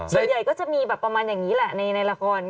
ส่วนใหญ่ก็จะมีแบบประมาณอย่างนี้แหละในละคร